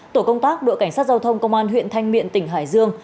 tổ công tác đội cảnh sát giao thông công an huyện thanh miện tỉnh hải dương